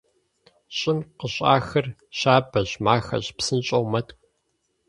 Щӏым къыщӏахыр щабэщ, махэщ, псынщӏэу мэткӏу.